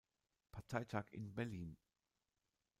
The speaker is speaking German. Parteitag in Berlin.